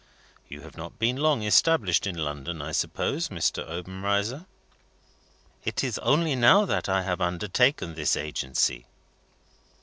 You have not been long established in London, I suppose, Mr. Obenreizer?" "It is only now that I have undertaken this agency."